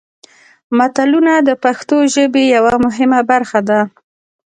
متلونه د پښتو ژبې یوه مهمه برخه ده